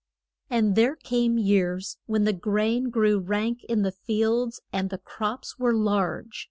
And there came years when the grain grew rank in the fields, and the crops were large.